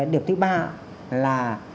điểm thứ ba là